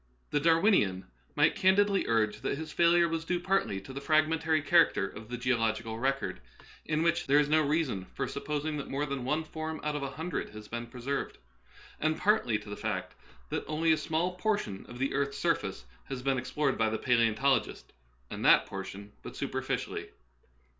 The Darwinian might candidly urge that his failure w^as due partly to the fragmentary character of the geolog ical record, in which there is no reason for sup posing that more than one form out of a hundred has been preserved, and partly to the fact that only a small portion of the earth's surface has been explored by the palaeontologist, and that por tion but superficially.